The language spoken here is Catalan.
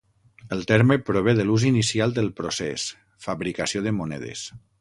El terme prové de l'ús inicial del procés: fabricació de monedes.